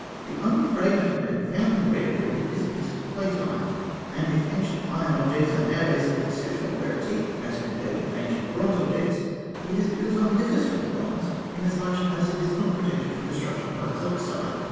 The only fragment of metal found in the great pyramid is a piece of plate iron; and if ancient iron objects are nowadays of exceptional rarity as compared with ancient bronze objects, it is because iron differs from bronze, inasmuch as it is not protected from destruction by its oxide.